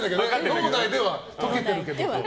脳内では解けてるけど。